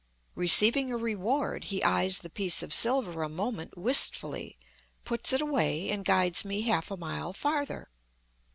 Receiving a reward, he eyes the piece of silver a moment wistfully, puts it away, and guides me half a mile farther.